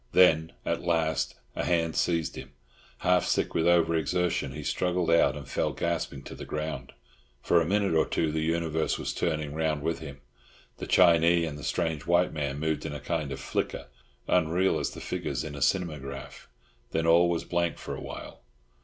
Then, at last, a hand seized him; half sick with over exertion, he struggled out and fell gasping to the ground. For a minute or two the universe was turning round with him. The Chinee and the strange white man moved in a kind of flicker, unreal as the figures in a cinematograph. Then all was blank for a while.